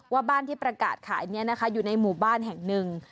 ว่าบ้านที่ประกาศขายนี้นะคะอยู่ในหมู่บ้านแห่งหนึ่ง